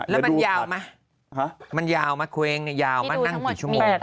แล้วมันยาวไหมมันยาวไหมเควงเนี่ยยาวมานั่งกี่ชั่วโมง